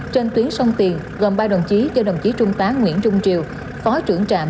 trên tuyến sông tiền gồm ba đồng chí do đồng chí trung tá nguyễn trung triều phó trưởng trạm